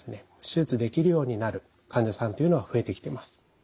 手術できるようになる患者さんというのは増えてきてます。